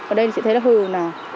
ở đây thì chị thấy là hừu nè